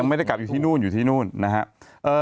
ไม่ได้กลับอยู่ที่นู่นอยู่ที่นู่นนะฮะ